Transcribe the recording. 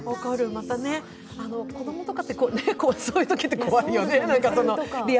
またね、子供とかって、そういうときって怖いよね。